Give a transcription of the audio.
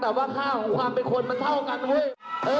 แต่ว่าค่าของความเป็นคนมันเท่ากันเฮ้ย